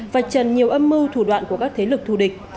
và trần nhiều âm mưu thủ đoạn của các thế lực thủ địch